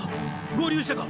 合流したか？